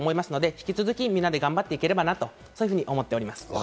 引き続きみんなで頑張っていければなと、そのように思っています。